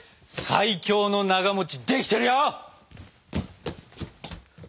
最強のなができてるよ！